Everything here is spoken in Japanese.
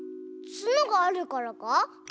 つのがあるからか？